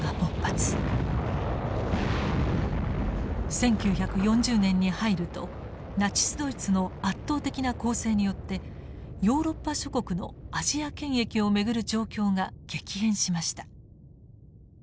１９４０年に入るとナチスドイツの圧倒的な攻勢によってヨーロッパ諸国のアジア権益を巡る状況が激変しました。